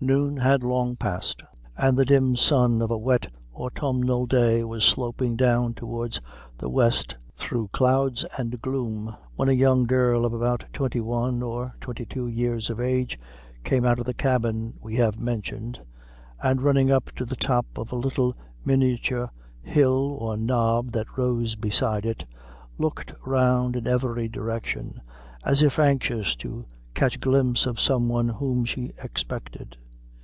Noon had long passed, and the dim sun of a wet autumnal day was sloping down towards the west through clouds and gloom, when a young girl of about twenty one or twenty two years of age came out of the cabin we have mentioned, and running up to the top of a little miniature hill or knob that rose beside it, looked round in every direction, as if anxious to catch a glimpse of some one whom she expected.